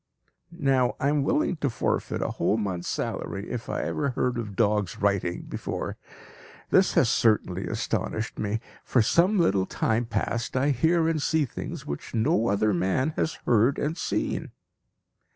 Now I am willing to forfeit a whole month's salary if I ever heard of dogs writing before. This has certainly astonished me. For some little time past I hear and see things which no other man has heard and seen.